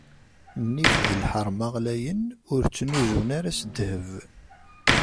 Nnif d lḥerma ɣlayen, ur ttnuzzun ara s ddheb.